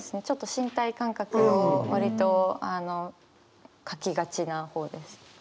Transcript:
ちょっと身体感覚を割と書きがちな方です。